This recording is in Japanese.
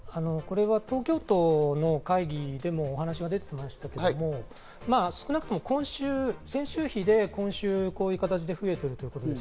これは東京都の会議でもお話が出ていましたけれども、少なくとも先週比で今週、増えている。